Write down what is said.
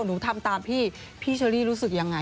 หนูทำตามพี่พี่เชอรี่รู้สึกยังไง